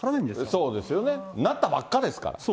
そうですよね、なったばっかですから。